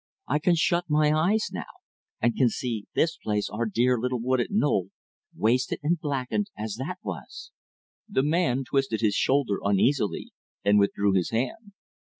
I can shut my eyes now, and can see this place our dear little wooded knoll wasted and blackened as that was." The man twisted his shoulder uneasily and withdrew his hand.